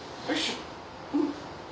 うん。